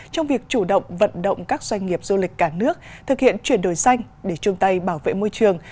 trong việc chủ động vận động các doanh nghiệp du lịch cả nước thực hiện chuyển đổi xanh để chung tay bảo vệ môi trường